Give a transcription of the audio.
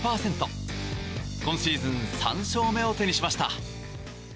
今シーズン３勝目を手にしました。